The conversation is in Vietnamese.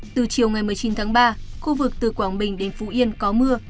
từ chiều ngày một mươi chín tháng ba khu vực từ quảng bình đến phú yên có mưa